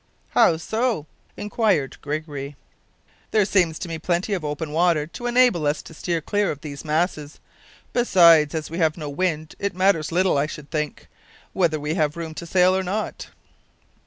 "How so?" inquired Gregory. "There seems to me plenty of open water to enable us to steer clear of these masses. Besides, as we have no wind, it matters little, I should think, whether we have room to sail or not."